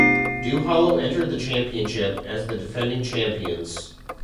Duhallow entered the championship as the defending champions.